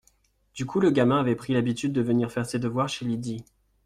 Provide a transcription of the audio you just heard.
Du coup le gamin avait pris l’habitude de venir faire ses devoirs chez Lydie.